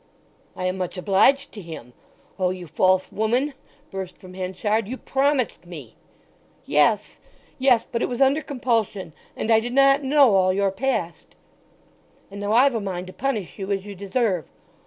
"I am much obliged to him.... O you false woman!" burst from Henchard. "You promised me!" "Yes, yes! But it was under compulsion, and I did not know all your past——" "And now I've a mind to punish you as you deserve!